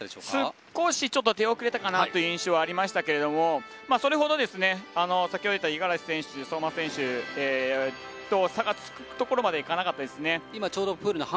少し出遅れたかなという印象はありましたがそれ程、先に出た五十嵐選手、相馬選手と差がつくところまではいかなかったですね。